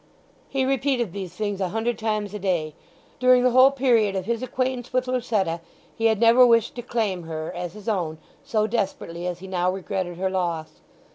He repeated these things a hundred times a day. During the whole period of his acquaintance with Lucetta he had never wished to claim her as his own so desperately as he now regretted her loss.